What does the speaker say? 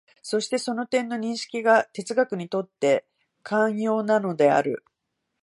そしてその点の認識が哲学にとって肝要なのである。